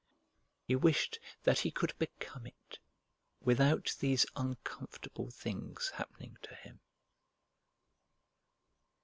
He wished that he could become it without these uncomfortable things happening to him.